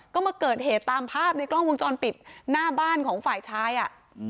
ก็มาเกิดเหตุตามภาพในกล้องวงจรปิดหน้าบ้านของฝ่ายชายอ่ะ